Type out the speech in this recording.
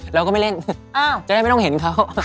เราก็ไม่เล่นจะได้ไม่ต้องเห็นเขา